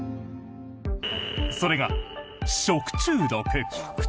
それが、食中毒。